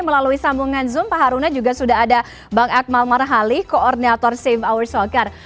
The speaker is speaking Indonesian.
melalui sambungan zoom pak haruna juga sudah ada bang akmal marhali koordinator save our soccer